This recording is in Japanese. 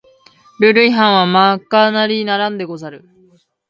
ルール違反はまかなりならんでござる